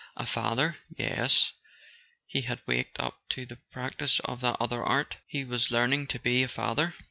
... A father; yes, he had waked up to the practice of that other art, he was learning to be a father.